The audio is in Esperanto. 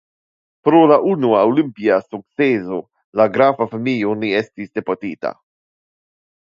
Pro la unua olimpia sukceso la grafa familio ne estis deportita.